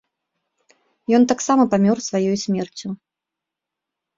Ён таксама памёр сваёй смерцю.